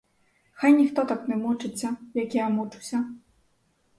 Хай ніхто так не мучиться, як я мучуся!